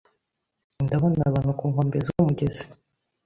Ndabona abantu ku nkombe z'umugezi